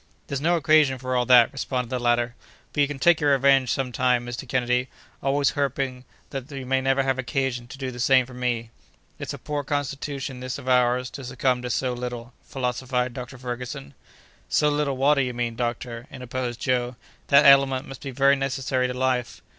"There's no occasion for all that," responded the latter; "but you can take your revenge some time, Mr. Kennedy, always hoping though that you may never have occasion to do the same for me!" "It's a poor constitution this of ours to succumb to so little," philosophized Dr. Ferguson. "So little water, you mean, doctor," interposed Joe; "that element must be very necessary to life."